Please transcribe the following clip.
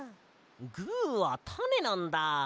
グーはタネなんだ。